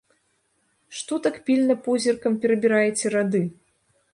Што так пільна позіркам перабіраеце рады?